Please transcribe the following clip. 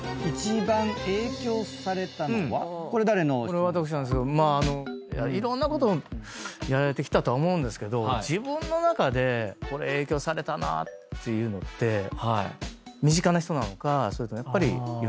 これ私なんですけどいろんなことやられてきたとは思うんですけど自分の中でこれ影響されたなっていうのって身近な人なのかそれともいろんなアーティストなのか。